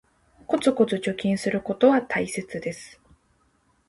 コツコツ貯金することは大切です